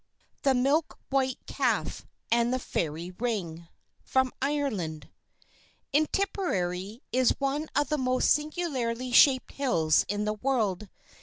THE MILK WHITE CALF AND THE FAIRY RING From Ireland In Tipperary is one of the most singularly shaped hills in the world.